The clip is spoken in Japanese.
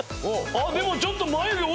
あっでもちょっと。